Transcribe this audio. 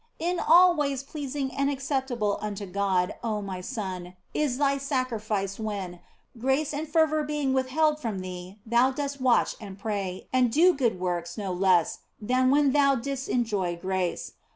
In all ways pleasing and acceptable unto God, oh my son, is thy sacrifice when, grace and fervour being with held from thee, thou dost watch and pray, and do good works no less than when thou didst enjoy grace.